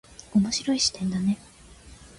面白い視点だね。